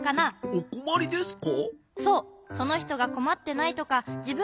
「おこまりですか？」。